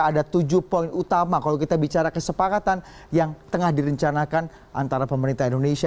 ada tujuh poin utama kalau kita bicara kesepakatan yang tengah direncanakan antara pemerintah indonesia